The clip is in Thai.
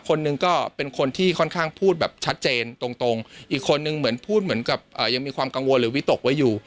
คนหนึ่งก็เป็นคนที่ค่อนข้างพูดแบบชัดเจนตรงอีกคนนึงเหมือนพูดเหมือนกับยังมีความกังวลหรือวิตกไว้อยู่